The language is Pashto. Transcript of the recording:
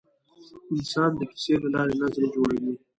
انسان د کیسې له لارې نظم جوړوي.